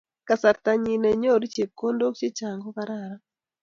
Kasarta nyin nenyoru chepkondok che chang ko kararan